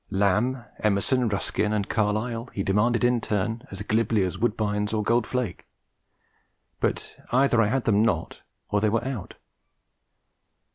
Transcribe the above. Lamb, Emerson, Ruskin and Carlyle, he demanded in turn as glibly as Woodbines or Gold Flakes; but either I had them not, or they were out.